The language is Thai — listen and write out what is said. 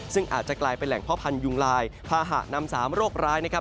ซึ่งอาจจะกลายเป็นแหล่งพ่อพันธุยุงลายพาหะนำ๓โรคร้ายนะครับ